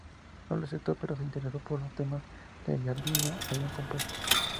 No lo aceptó, pero se interesó por los temas que Giardino había compuesto.